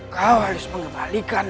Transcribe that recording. kau harus mengembalikan